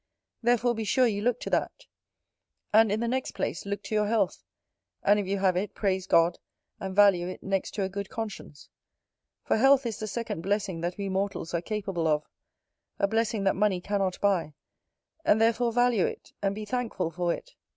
Therefore be sure you look to that. And, in the next place, look to your health: and if you have it, praise God, and value it next to a good conscience; for health is the second blessing that we mortals are capable of; a blessing that money cannot buy; and therefore value it, and be thankful for it.